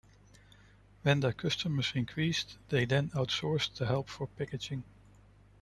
When their customers increased, they then outsourced the help for packaging.